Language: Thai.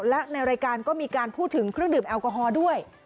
และในรายการก็มีการพูดถึงเครื่องดื่มแอลกอฮอล์ด้วย